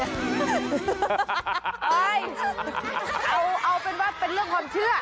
เอาเป็นว่าเป็นเรื่องความเชื่อ